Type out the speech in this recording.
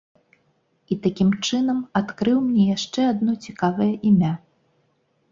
І такім чынам адкрыў мне яшчэ адно цікавае імя.